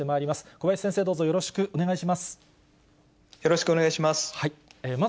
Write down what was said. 小林先生、どうぞよろしくお願いいたします。